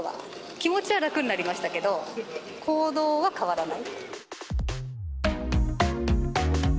気持ちは楽になりましたけど、行動は変わらない。